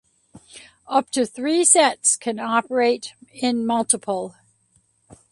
Up to three sets can operate in multiple.